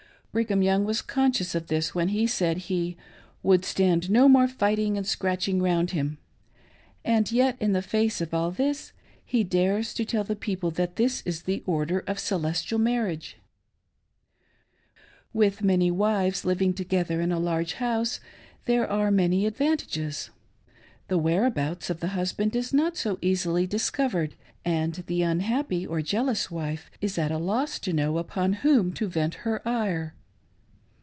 Brigham Young was conscious of this when he §qid he " would stand no more fighting and scratching around him" ; and yet, in the face of all this, he dares to tell the people that this is the " Order of Celestial Marriage." With many wives living together in a large house there are many adyanr tages. The whereabouts of the husband is not so easily dis covered, and the unhappy or jealous wife is at a loss to know upon whom to vent her ire.